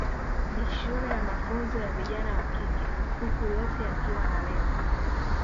Ni shule ya mafunzo ya vijana wa kike huku yote yakiwa na lengo